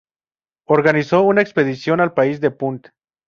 Organizó una expedición al país de Punt.